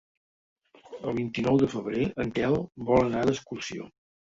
El vint-i-nou de febrer en Quel vol anar d'excursió.